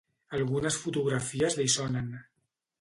Algunes fotografies li sonen.